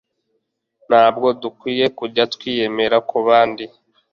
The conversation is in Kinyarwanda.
Ntabwo dukwiye kujya twiyemera ku bandi.